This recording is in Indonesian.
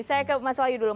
saya ke mas wayu dulu